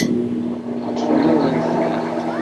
Ṭṭfen-awen-ten-id.